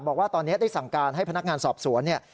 บอกว่าตอนนี้ได้สั่งการให้พนักงานสอบสวนเนี่ย